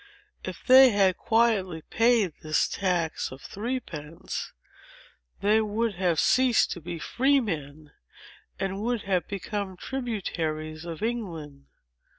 If they had quietly paid this tax of three pence, they would have ceased to be freemen, and would have become tributaries of England.